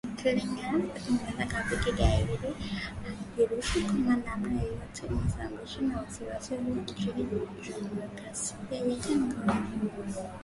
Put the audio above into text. Ikiongezea kwamba “Kigali haijihusishi kwa namna yoyote na mashambulizi ya waasi hao nchini Jamuhuri ya Kidemokrasia ya Kongo